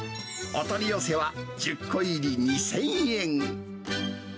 お取り寄せは１０個入り２０００円。